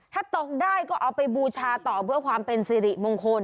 ถ้าตกได้ก็เอาไปบูชาต่อเพื่อความเป็นสิริมงคล